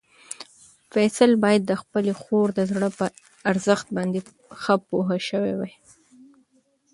فیصل باید د خپلې خور د زړه په ارزښت باندې ښه پوه شوی وای.